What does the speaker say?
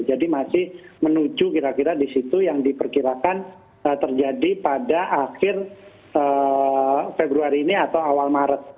jadi masih menuju kira kira disitu yang diperkirakan terjadi pada akhir februari ini atau awal maret